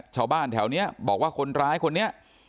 ชาวบ้านแถวนี้บอกว่าคนร้ายคนนี้